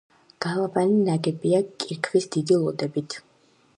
გალავანი ნაგებია კირქვის დიდი ლოდებით.